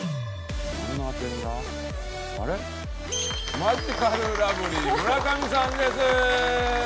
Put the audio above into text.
マヂカルラブリー村上さんです。